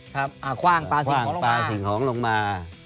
ครับอ่ะคว้างปลาสิ่งหองลงมา